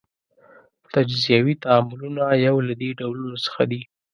تجزیوي تعاملونه یو له دې ډولونو څخه دي.